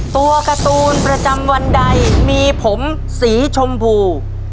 ตัวการ์ตูนประจำวันใดมีผมสีชมพู